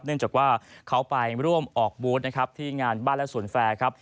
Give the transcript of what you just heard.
เนื่องจากว่าเขาไปร่วมออกบูธนะครับที่งานบ้านและสวนแฟร์ครับ